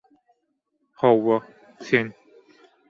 – Hawa, sen.